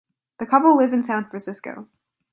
The couple live in San Francisco.